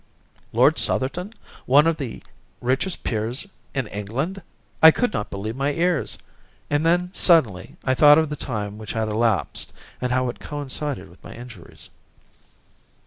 Lord Southerton! One of the richest peers in England! I could not believe my ears. And then suddenly I thought of the time which had elapsed, and how it coincided with my injuries.